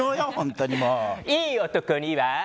いい男には。